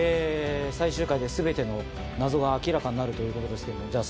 最終回で全ての謎が明らかになるということですけども。